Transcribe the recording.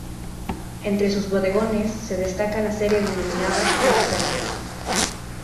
Entre sus bodegones se destaca la serie denominada "La cena".